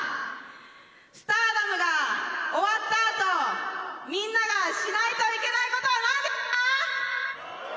スターダムが終わったあと、みんながしないといけないことはなんですか？